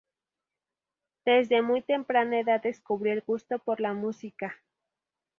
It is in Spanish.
Desde muy temprana edad descubrió el gusto por la música.